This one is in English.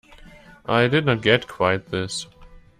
I did not get quite this.